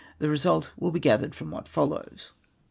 The result Avill be gathered from what follows.